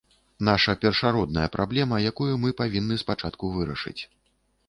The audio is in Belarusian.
Наша першародная праблема, якую мы павінны спачатку вырашыць.